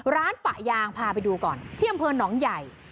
ปะยางพาไปดูก่อนที่อำเภอหนองใหญ่